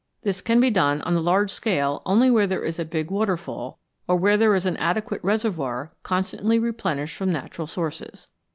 This can be done on the large scale only where there is a big waterfall, or where there is an adequate reservoir, con stantly replenished from natural sources.